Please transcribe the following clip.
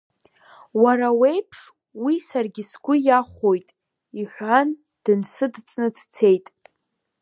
Уара уеиԥш уи саргьы сгәы иахәоит, — иҳәан, дынсыдҵны дцеит.